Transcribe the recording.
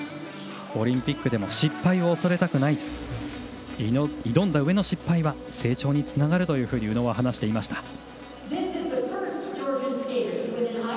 オリンピックでも失敗を恐れたくない挑んだうえの失敗は成長につながると宇野は話していました。